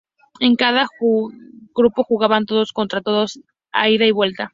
En cada grupo jugaban todos contra todos a ida y vuelta.